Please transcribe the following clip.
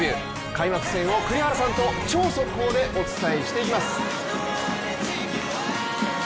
開幕戦を栗原さんと超速報でお伝えしていきます。